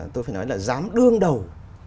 tôi phải nói là dám đương đầu